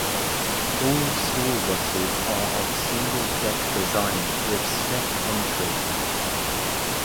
All school buses are of single deck design with step entry.